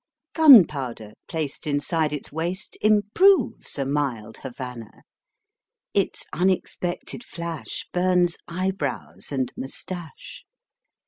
Gunpowder placed inside its waist improves a mild Havana, Its unexpected flash Bums eyebrows and moustache.